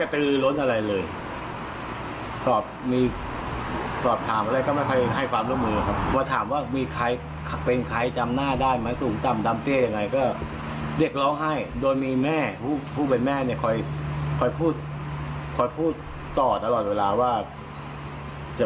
ตอบตลอดเวลาว่าจะไปคัดถามอะไรลูกทำอะไร